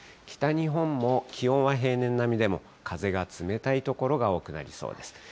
北日本も気温は平年並みでも風が冷たい所が多くなりそうです。